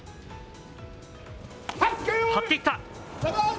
張っていった。